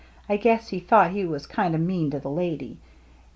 I guess he thought he was kind o' mean to the lady.